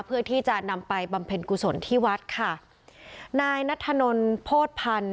เพื่อที่จะนำไปบำเพ็ญกุศลที่วัดค่ะนายนัทธนลโภษพันธ์